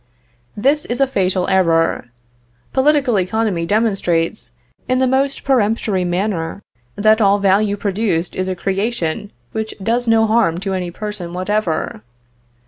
This is a fatal error; political economy demonstrates, in the most peremptory manner, that all value produced is a creation which does no harm to any person whatever.